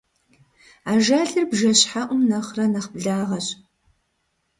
Ажалыр бжэщхьэӀум нэхърэ нэхь благъэщ.